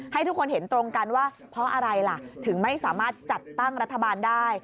ให้ทุกคนเห็นตรงกันว่าเพราะอะไรล่ะถึงไม่สามารถจัดตั้งรัฐบาลได้